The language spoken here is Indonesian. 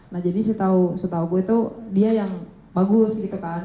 nah jadi setahu gue itu dia yang bagus gitu kan